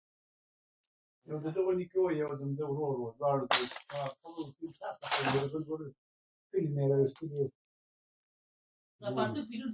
ياګاني مراعتول ښه دي